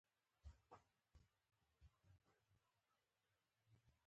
دا څو ورځې چې په بیت المقدس کې یم بیا به دلته راځم.